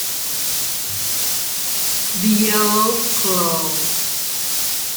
The Yellow Claw